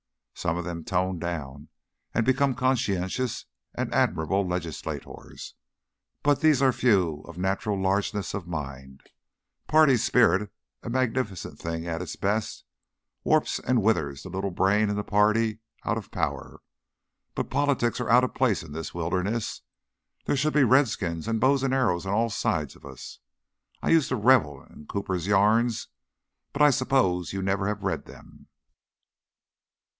Some of them tone down and become conscientious and admirable legislators, but these are the few of natural largeness of mind. Party spirit, a magnificent thing at its best, warps and withers the little brain in the party out of power. But politics are out of place in this wilderness. There should be redskins and bows and arrows on all sides of us. I used to revel in Cooper's yarns, but I suppose you never have read them."